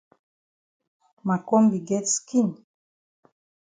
Ma kombi get skin.